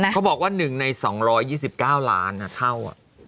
เขาบอกว่า๑ใน๒๒๙ล้านเท่า